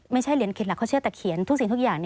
ไม่ใช่เหรียญเขียนหลักเขาเชื่อแต่เขียนทุกสิ่งทุกอย่าง